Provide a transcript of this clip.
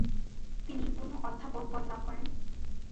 তিনি পূর্ণ অধ্যাপক পদ লাভ করেন।